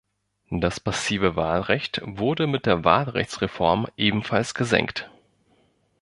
Das passive Wahlrecht wurde mit der Wahlrechtsreform ebenfalls gesenkt.